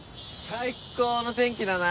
最高の天気だなあ！